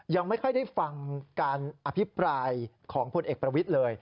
ยังไม่ค่อยได้ฟังการอภิปรายของพลเอกประวิทย์เลย